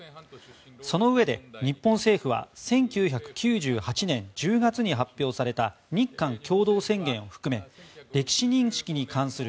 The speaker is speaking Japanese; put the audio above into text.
そのうえで、日本政府は１９９８年１０月に発表された日韓共同宣言を含め歴史認識に関する